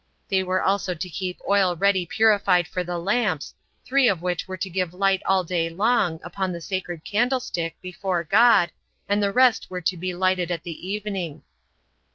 They were also to keep oil already purified for the lamps; three of which were to give light all day long, 20 upon the sacred candlestick, before God, and the rest were to be lighted at the evening.